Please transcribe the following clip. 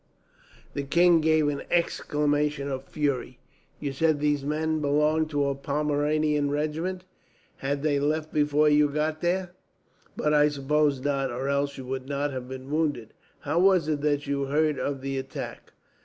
The king gave an exclamation of fury. "You said these men belonged to a Pomeranian regiment. Had they left before you got there? But I suppose not, or else you would not have been wounded. How was it that you heard of the attack?"